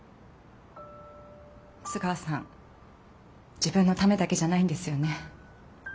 須川さん自分のためだけじゃないんですよね。